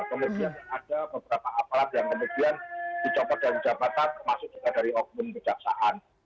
kemudian ada beberapa aparat yang kemudian dicopot dari jabatan termasuk juga dari oknum kejaksaan